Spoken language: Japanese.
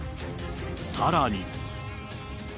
さらに。